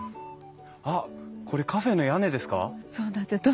あっこれカフェの屋根ですか？